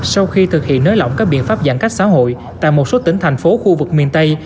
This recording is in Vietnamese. sau khi thực hiện nới lỏng các biện pháp giãn cách xã hội tại một số tỉnh thành phố khu vực miền tây